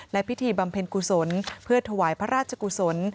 และพิธีบำเพ็ญกุศลเพื่อถวายพระราชกุศล